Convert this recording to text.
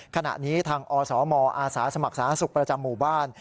ขณะนี้ทางอสมอาสาสมัครสาธารณสุขประจำหมู่บ้าน